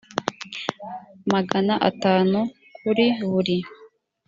magana atanu kuri buri